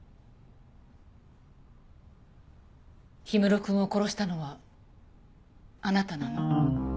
氷室くんを殺したのはあなたなの？